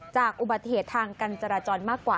จากอุบัติเหตุทางการจราจรมากกว่า